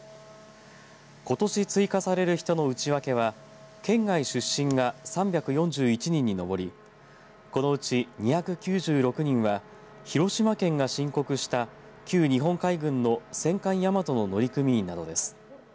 ことし追加される人の内訳は県外出身が、３４１人に上りこのうち２９６人は広島県が申告した旧日本海軍の戦艦大和の乗組員などです。